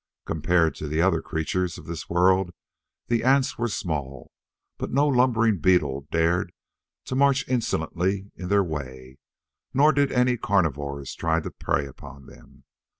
Compared to the other creatures of this world the ants were small, but no lumbering beetle dared to march insolently in their way, nor did any carnivores try to prey upon them.